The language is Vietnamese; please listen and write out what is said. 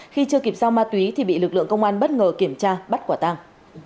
khi chưa kịp giao ma túy thì bị lực lượng công an bất ngờ kiểm tra bắt quả tàng